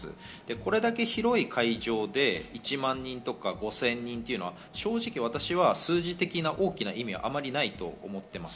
これだけ広い会場で１万人とか５０００人というのは正直数字的な大きな意味はないと思っています。